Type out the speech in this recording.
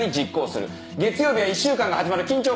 月曜日は一週間が始まる緊張感がある。